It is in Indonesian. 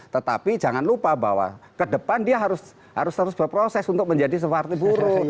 tetapi jangan lupa bahwa ke depan dia harus terus berproses untuk menjadi seperti buruh